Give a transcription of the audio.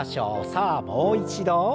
さあもう一度。